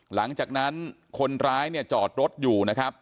หลังจากนั้นคนร้ายเนี่ยจอดรถอยู่นะครับ